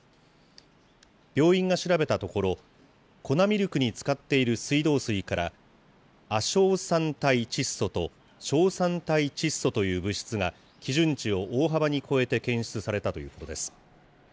病院が調べたところ、粉ミルクに使っている水道水から、亜硝酸態窒素と硝酸態窒素という物質が基準値を大幅に超えて検出されたということです。